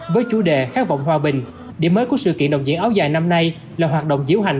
với chủ đề khát vọng hòa bình điểm mới của sự kiện đồng diễn áo dài năm nay là hoạt động diễu hành